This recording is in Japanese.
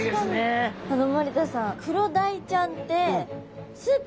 森田さん